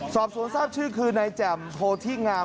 สอบสนทราบชื่อคือนายแจ่ม